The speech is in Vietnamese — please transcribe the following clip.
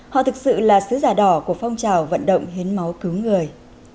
họ thực sự là sứ giả đỏ của phong trào vận động hiến máu cứu người